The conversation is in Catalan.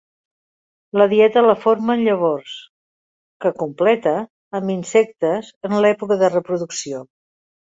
La dieta la formen llavors, que completa amb insectes en l'època de reproducció.